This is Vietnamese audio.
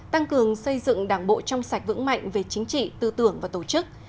tăng cường xây dựng đảng bộ trong sạch vững mạnh về chính trị tư tưởng và tổ chức